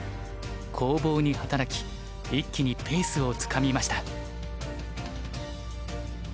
攻防に働き一気にペースをつかみました。